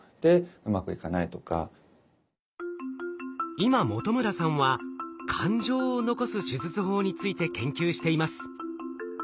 今本村さんは感情を残す手術法について研究しています。